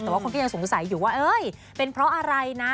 แต่ว่าคนก็ยังสงสัยอยู่ว่าเอ้ยเป็นเพราะอะไรนะ